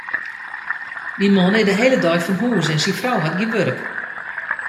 Dy man is de hiele dei fan hûs en syn frou hat gjin wurk.